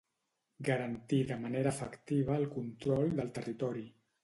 Garantir de manera efectiva el control del territori